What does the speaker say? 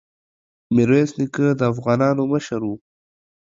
ميرويس نيکه د افغانانو مشر وو.